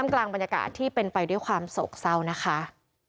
กลางบรรยากาศที่เป็นไปด้วยความโศกเศร้านะคะ